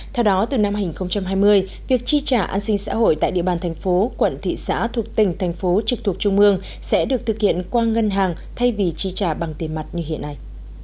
theo đó từ năm hai nghìn hai mươi việc chi trả an sinh xã hội tại địa bàn thành phố quận thị xã thuộc tỉnh thành phố trực thuộc trung ương sẽ được thực hiện qua ngân hàng thay vì chi trả bằng tiền mặt như hiện nay